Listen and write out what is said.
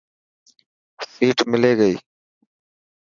سيٽ ملي گئي؟